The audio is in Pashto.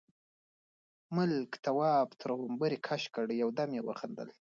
ملک، تواب تر غومبري کش کړ، يو دم يې وخندل: